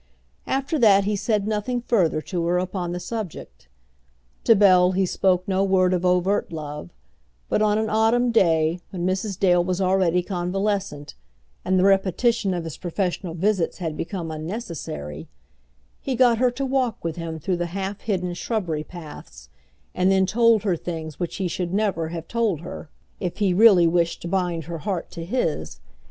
After that he said nothing further to her upon the subject. To Bell he spoke no word of overt love; but on an autumn day, when Mrs. Dale was already convalescent, and the repetition of his professional visits had become unnecessary, he got her to walk with him through the half hidden shrubbery paths, and then told her things which he should never have told her, if he really wished to bind her heart to his.